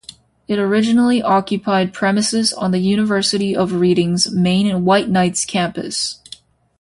It originally occupied premises on the University of Reading's main Whiteknights Campus.